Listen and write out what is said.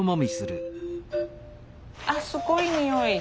あっすごい匂い。